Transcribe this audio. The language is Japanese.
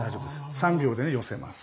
３秒で寄せます。